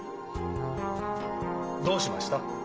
どうしました？